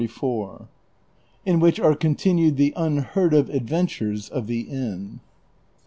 IN WHICH ARE CONTINUED THE UNHEAED OF ADVENTURES OF THE INN.